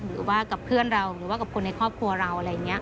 หรือว่ากับพืภ้าเราหรือว่ากับคนในครอบครัวเรา